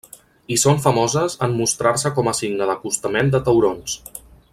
I són famoses en mostrar-se com signe d'acostament de taurons.